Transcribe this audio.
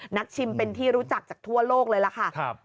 ชิมเป็นที่รู้จักจากทั่วโลกเลยล่ะค่ะ